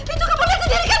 itu kamu lihat sendiri kan